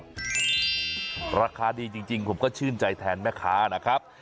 ราคาดีจริงผมก็ชื่นใจแทนแม่ค้านะครับ